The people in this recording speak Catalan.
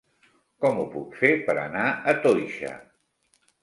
Com ho puc fer per anar a Toixa?